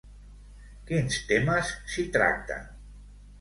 Quins temes s'hi tracten?